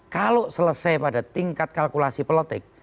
kalau selesai pada tingkat kalkulasi politik